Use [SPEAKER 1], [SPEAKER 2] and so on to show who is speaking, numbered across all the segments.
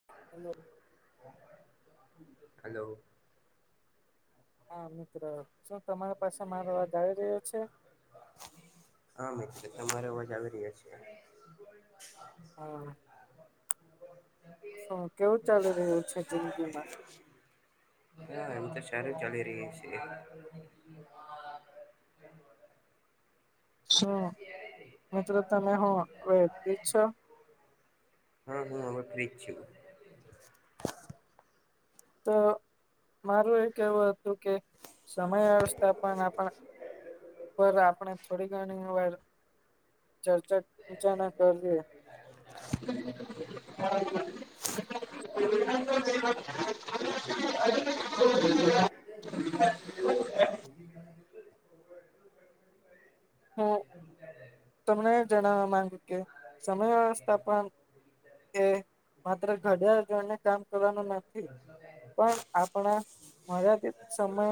[SPEAKER 1] હા
[SPEAKER 2] hello
[SPEAKER 1] hello
[SPEAKER 2] હા મિત્ર શું તમારી પાસે મારો અવાજ આવી રહ્યો છે
[SPEAKER 1] હા મિતિત્રો તમારે અવાજ આવી રહ્યા છે [inaudible]
[SPEAKER 2] હા હ કેવું ચાલીુ રહ્યું છે જિંદગી માં
[SPEAKER 1] હા એમ તો શહેાર ચાલી રહી છી
[SPEAKER 2] શું મિત્રો તમે હું હવે ફ્રી છો
[SPEAKER 1] સ હા હા હવે ફ્રી જ છ
[SPEAKER 2] તો મારું એ કેવું હતું કે સમય અવસ્થા પણ આપ પર આપણે થોડી ઘણી વાર ચર્ચા ચા ના કર લ હા
[SPEAKER 1] [inaudible]
[SPEAKER 2] હું
[SPEAKER 1] એ મુ
[SPEAKER 2] તમને જણાવવા માંગુ કે સમય વ્યવસ્થા પણ કે માત્ર ઘડ જણને કામ કરવાનું પણ આપણા મર્યાદિત સમય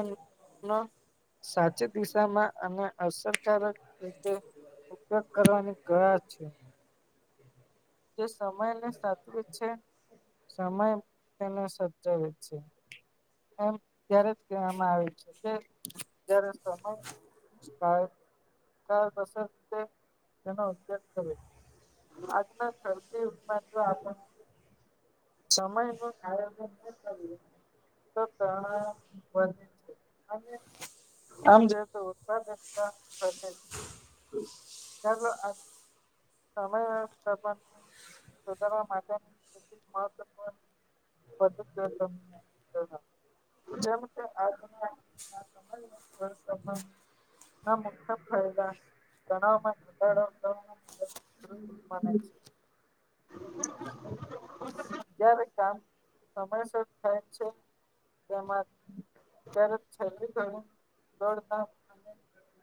[SPEAKER 2] સાચી દિશામાં અને અવસર રીતે ઉપયોગ કરવાની કયા છે તે સમયને સાચવે છે સમય તેને સાચવે છે એ ત્યારે જ કહેવામાં આવે છે જ્યારે સમય ક ક તશે તે તેનો ઉપયોગ કરે આજનાથી આપ સમયનું આગ તો વધે છે અને આમ જ ઉત્પાદકતા સમધારવા માટેની મહત્વપૂર્ણ પ કર [inaudible] ના મુ ફાયદાણાવમાં ઘાડો
[SPEAKER 1] હમ
[SPEAKER 2] જ્યારે કામ સમયસર થાય છે તેમાં ત્યારે છેલ્ થ દોડતા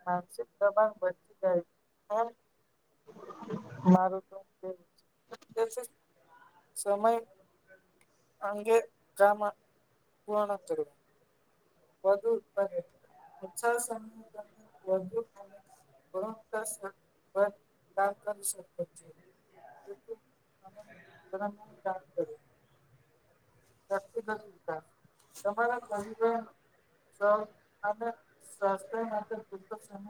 [SPEAKER 2] માનસિક પ્રભાવ વધી જાય મારું તોવું સમય અંગે ગ્રામ પુરાણ તર વધુ ઉત્પાદ ઉત્સાહ સમ વધુ કરી શકે છે જા કર નથી તમારા સ્સ્થ્ય માટે સમ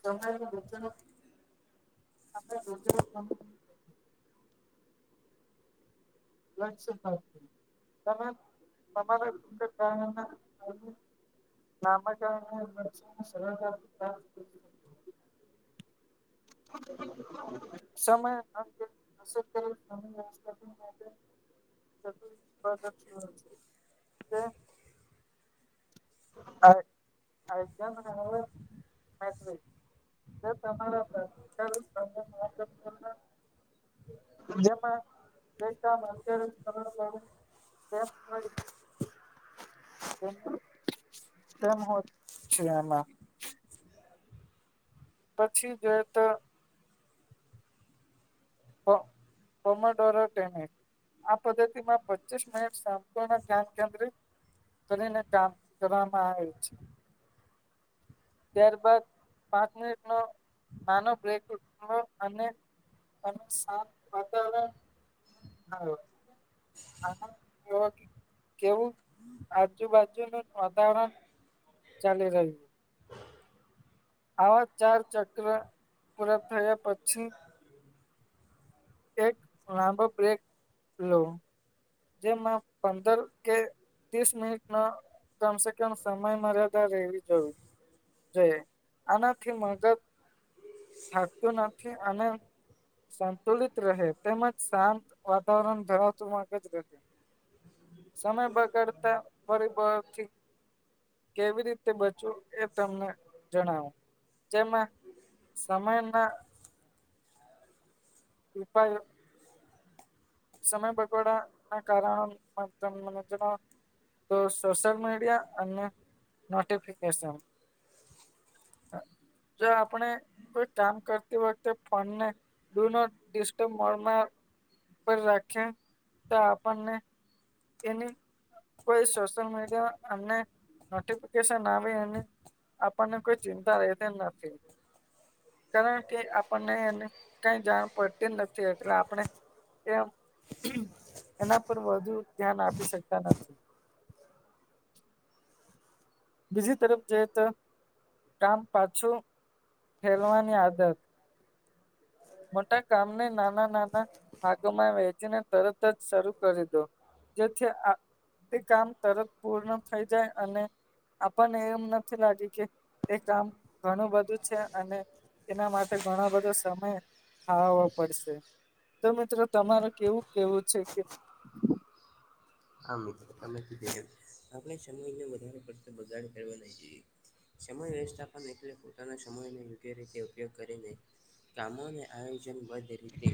[SPEAKER 2] તમાય મ અ રોજ ત તમારા નામકાણ વિમચના સરળદા ભતા સમમાય [inaudible] [inaudible] [inaudible] [inaudible] અ અજ બ તમા જમાં [inaudible] તેમ હો છે એમાં પછી જ તો પોમડોરો ટટેમ આ પદ્ધતિમાં પચીસ મિનિટ સંપૂર્ણ ધ્યાન કેન્દ્રિત કરીને કામ કરવામાં આવે છે ત્યારબદ પાંચ મિનિટ નો નાનો બ્રેક ઉઠ અને અને સાફ વાતા હા કેવું આજુબાજુ ન ઉદહરણ ચાલી રહહી્યું
[SPEAKER 1] [inaudible]
[SPEAKER 2] આવા ચાર ચક્ર પૂરા થયા પછી એક લાંબો બ્રેક લો જેમાં પંદર કે ત્રીસ મિનિટ ન્રક સમય મર્યા આનાથી મગદ નથી આ સંતુલિત રહે તેમજ શાંત વાતાવરણ ધરાવતું માંગ જ રહે સમય બગાડતા પરિબળથી કેવી રીતે બચવું એ તમને જણાવો જેમાં સમય ના [inaudible] સમય બગવડા ના કારણ મજના તો સોશિયલ મીડિયા અને નોટિફિકેશન જો આપણે કોઈ કામ કરતી વખતે ફને દૂનો ડિસ્ટ મળના પર રાખે તા પાને એ સોલ મીડિયાોટફિકેશન આપણને કોઈ ચિંતા રહેતી નથી કારણ કે આપણને એને કઈ જાણ પડતી નથી એટલે આપણે એ એના પર વધુ ધ્યાન આપી શકતા નથી બીજી તરફ જઈએ તો કામ પાછું ફેલવાની આદત મોટા કામને નાના નાના ભાગમાં વેચીને તરત જ શરૂ કરી દો જેથી આ એ કામ તરત પૂર્ણ થઈ જાય અને આપણને એમ નથી લાગી કે એ કામ ઘણું બધું છે અને એના માટે ઘણા બધો સમય ખાો પડશે તો મિત્રો તમાર કેવું કેવું છે કે
[SPEAKER 1] હા મિત્ર તમે આપણે સમયને વધારેડ બગાડ કરવા જોઈએ સમય વ્યવસ્થાપન એટલે પોતાના સમયનો યોગ્ય રીતે ઉપયોગ કરીને કામોને આયોજનબદ્ધ રીતે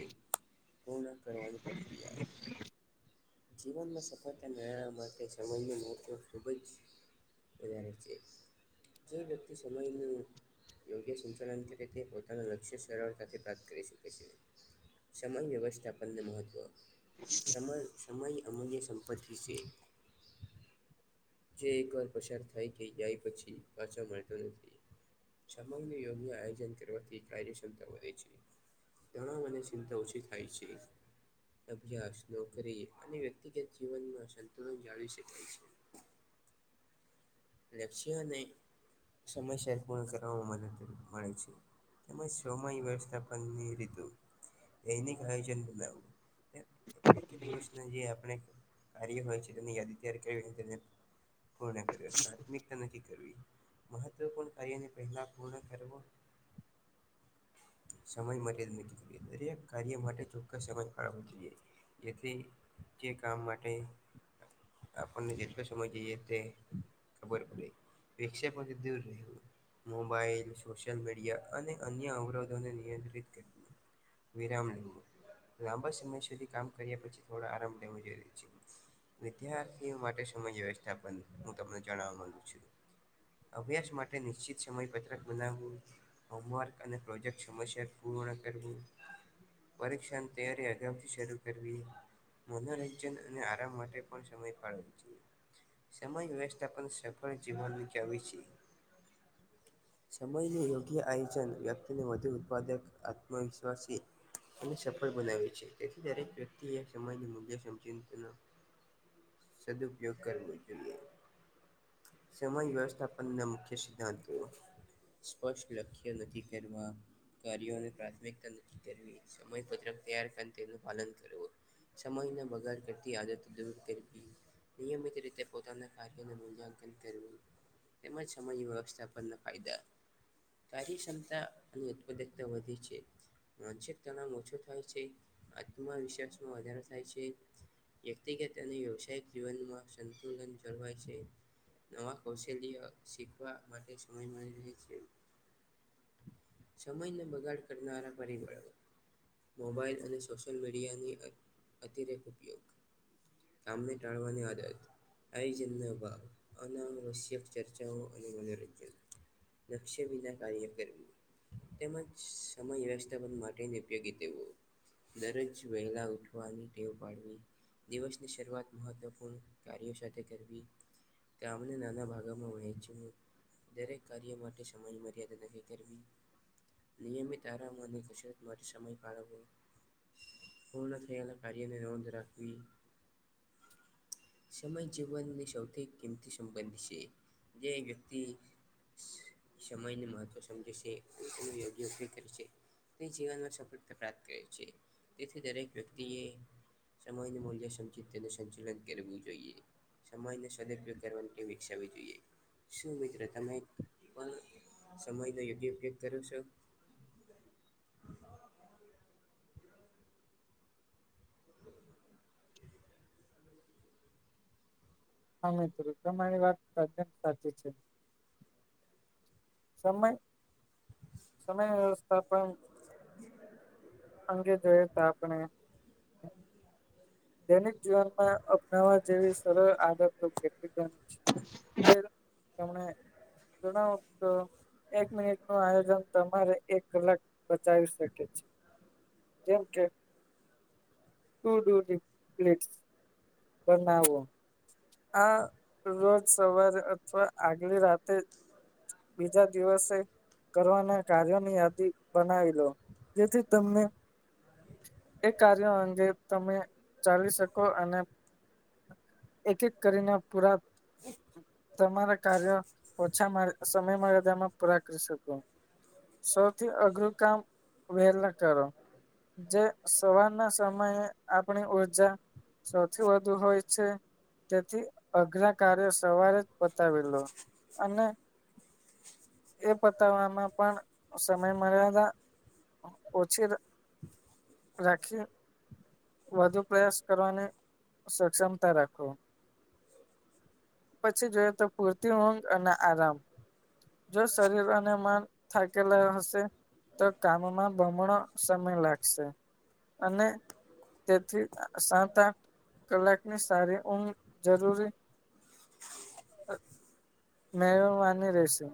[SPEAKER 1] પૂર્ણ કરવાની પ્રક્રિયા
[SPEAKER 2] હમ
[SPEAKER 1] જીવનમાં સફળતા મેળવવા માટે સમવાયનું મહવ ખૂબ જ વધારે છે જે વ્યક્તિ સમયનું યોગ્ય સચલન કરી તે પોતાનું લક્ષ્ય સરળતાથી પ્રાપ્ત કરી શકે છે સમન વ્યવસ્થાપનને મહત્વ સમન સમય અમૂલ્ય સંપત્તિ છે જે એકવાર પસાર થાય કે યાાય પછી પાછા મળરતો નથી સમગને યોગ્ય આયોજન કરવાથી કાર્યક્ષમતા વધે છે ઘણા મને ચિંતા ઓછી થાય છે અભ્યાસ કરી અને વ્યક્તિગત જીવનમાં સંતુલન જાળવી શકાય છે લક્ષ્ય અને સમયસર પૂર્ણ કરવામાં મદદ મળે છે તેમજ શોમ વ્યવસ્થાપનની રીતુ દૈનિક આયોજન બનાવવું એટલે કે દિવસના જે આપણે ક્ય વ ન આથ્ય ક પ્રાથમિકતા નક્ કરવી મહત્વપૂર્ણ કાર્યને પહેલા પૂર્ણ કરવો
[SPEAKER 2] [inaudible]
[SPEAKER 1] સમય માટે જોએ દરેક કાર્ય માટે ચોખકસ સમય ફાળવવો જોઈએ જેથી જે કામ માટે આપણને જેટલો સમય જઈએ તે ખબર પડે પ્રક્ષાપધ દૂર રહેવું મોબાાઈલ સોશિયલ મીડિયા અને અન્ય અવરોધોને નિયંત્રિત કરવીું વિરામ લ લાંબા સમય સુધી કામ કર્યા પછી થોડો આરામ લેવો જોઈરી છે વિદ્યાર્થીઓ માટે સમય વ્યવસ્થાપ હું તમને જણાવવા માંગુ છું અભ્યાસ માટે નિશ્ચિત સમય પત્રક બનાવવું હોમવર્ક અને પ્રોજેક્ટ સમસ્યા પૂર્ણ કરવું પરીક્ષા તૈયારી અગાઉથી શરૂ કરવી મનોરંજન અને આરામ માટે પણ સમય ફળવ જોએ સમય વ જપન સફળ જીવન વિ જમ છે
[SPEAKER 2] [inaudible]
[SPEAKER 1] સમયનું યોગ્ય આયોજન વ્યક્તિને વધુ ઉત્પાદક આત્મવિશ્વાસી એ સફળ બનાવે છે તેથી દરેક વ્યક્તિ એ સમાજ મૂલ્ય સમજી સદઉપયોગ કરવો જોઈએ સમય વ્યવસ્થાપન ના મુખ્ય સિદ્ધાંતો સ્પષ્ટ લખ્ય નથી ખેરમાં કાર્યોને પ્રાથમિકતા નક્કી કરવી સમય પત્રક તૈયાર તેનું પાલન કરવું સમયને બગાડ કરતી આદત દૂર કરી નિયમિત રીતે પોતાના કાર મૂલ્યાંકન કરું તેમજ સમય વ્યવસ્થાપન ના ફાયદા કાર્યક્ષમતા અને ઉત્પાદકતા વધે છે માનસિક તણાવ ઓછો થાય છે આત્મવિશ્વાસમાં વધારો થાય છે વ્યક્તિગતને વ્યવસાયિક જીવનમાં સંતુલન જળવાય છે ન કૌશલ્ય શીખવા માટે સમય મળ રહે છે સમયને બગાડ કરનારા પરિબળો મોબાાઈલ અને સોશિયલ મીડિયાની અ અતિરેક ઉપયોગ કામને ટાળવાની આદત હતી આ જ ભ અનાવસ્યક ચર્ચાઓ અને મનોરંજન લક્ષ્ય વિના કાર્ય કરવી તેમજ સમય વ્યવસ્થાપન માટેની ઉપયોગી તેઓ દરજ વહેલા ઉઠવાની ટેવ પાડવી દિવસની શરૂઆત મહત્વપૂર્ણ કાર્યો સાથે કરવી તેમમ નાના ભાગામાં વહેય છે ન દરેક કાર્ય માટે સમય મર્યાદા નક્કી કરવી નિયમિત આરામોની કસરત મારી સમય ફાળવો પૂર્ણ થલ સમય જીવનની સૌથી કિંમતી સંબંધી છે જે વ્યક્તિ સમયને મહત્વ સમજે છે પોલું યોગ્ય ઊભી કરે છે તે જીવનમાં સફળતા પ્રાપ્ત કરે છે તેથી દરેક વ્યક્તિએ સમય મૂલ્ય સમચ તેનું સંચલન કરવું જોઈએ સમય સદપયોગ કરવા માટે ટ વિકસાવવી જોઈએ શું મિત્ર તમે પણ સમયનો યોગ્ય ઉપયોગ કરો છો
[SPEAKER 2] હા મિત્રો તમારી વાત સાત સાચી છે સમય સમય વ્યવસ્થાપન અંગે જોઈ તો આપણે દૈનિક જીવનમાં અપનાવવા જેવી સરળ આદતો કેટ બ તને જણાવ તો એક મિનિટ નું આયોજન તમારે એક કલાક બચાવી સકે છે
[SPEAKER 1] [inaudible]
[SPEAKER 2] જેમ કે ટુ્ટ બનાવો આ રોજ સવારે અથવા આગલી રાતે બીજા દિવસે કરવાના કાર્યોની યાદી બનાવી લો જેથી તમને એ કાર્યો અંગે તમે ચલી શકો અને એક એક કરીને પૂરા તમારા કાર્ય ઓછા સમય મર્યાદામાં પૂરા કરી શકો સૌથી અઘરું કામ વહેલા કરો જે સવારના સમયે આપણી ઉર્જા સૌથી વધુ હોય છે તેથી અગ્ઞ કાર્ય સવારે જ બતાવી લો અને એ પતાવવામાં પણ સમય મર્યાદા ઓછી રાખીએ વધુ પ્રયાસ કરવાની સક્ષમતા રાખો પછી જોઈએ તો પૂરતી ઊંઘ અને આરામ જો શરીર અને મન થાકેલા હશે તો કામમાં બમણો સમય લાગશે અને તેથી સાત આઠ કલાકની સારી ઊંઘ જરૂરી મે માની રહેશે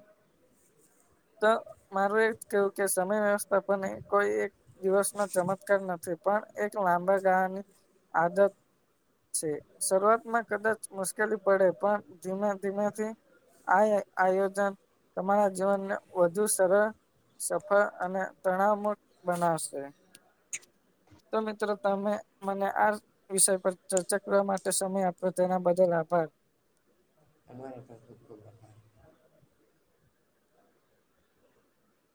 [SPEAKER 2] તો માર એજ કેવું કે સમય વ્યવસ્થાપને કોઈ એક દિવસનોો ચમત્કાર નથી પણ એક લાંબા ગાળાની આદત છે શરૂઆતમાં કદાચ મુશ્કેલી પડે પણ ધીમે ધીમેથી આ આયોજન તમારા જીવનને વધુ સરળ સફળ અને તણમટ બનાવશે તો મિત્રો તમે મ વિષય પર ચર્ચા કરવા માટે સમય આપો તેના બદલ આભાર
[SPEAKER 1] તમારે તો ખૂબ ખૂબ